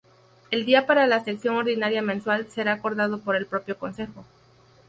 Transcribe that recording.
El día para la sesión ordinaria mensual será acordado por el propio Consejo.